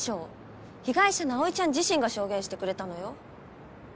被害者の葵ちゃん自身が証言してくれたのよ。